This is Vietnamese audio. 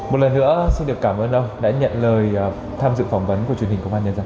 một lần nữa xin được cảm ơn ông đã nhận lời tham dự phỏng vấn của truyền hình công an nhân dân